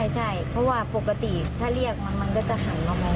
ใช่เพราะว่าปกติถ้าเรียกมันก็จะหันออกมา